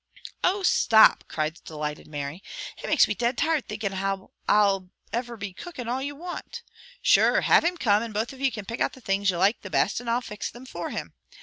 "Oh, stop!" cried the delighted Mary. "It makes me dead tired thinkin' how I'll iver be cookin' all you'll want. Sure, have him come, and both of you can pick out the things you like the best, and I'll fix thim for him.